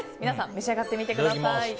皆さん召し上がってみてください。